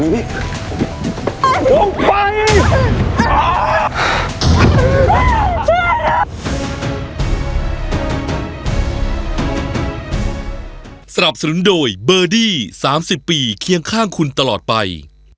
สำหรับสนุนโดยเบอร์ดี้สามสิบปีเคียงข้างคุณตลอดไป